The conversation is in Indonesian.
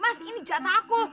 mas ini jatah aku